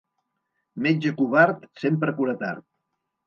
Metge covard sempre cura tard.